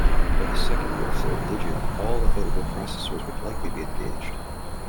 By the second or third digit, all available processors would likely be engaged.